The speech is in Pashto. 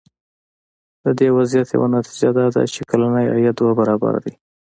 د دې وضعیت یوه نتیجه دا ده چې کلنی عاید دوه برابره دی.